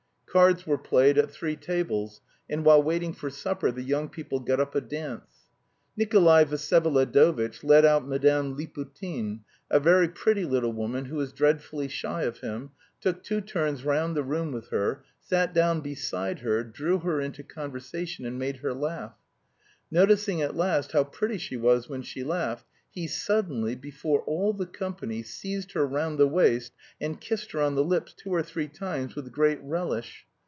Cards were played at three tables, and while waiting for supper the young people got up a dance. Nikolay Vsyevolodovitch led out Madame Liputin a very pretty little woman who was dreadfully shy of him took two turns round the room with her, sat down beside her, drew her into conversation and made her laugh. Noticing at last how pretty she was when she laughed, he suddenly, before all the company, seized her round the waist and kissed her on the lips two or three times with great relish.